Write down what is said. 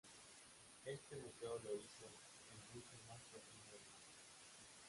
Este buceo lo hizo "el buzo más profundo en el mundo".